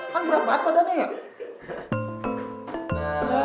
kan berat banget badannya ya